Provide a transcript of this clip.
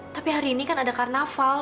tapi hari ini kan ada karnaval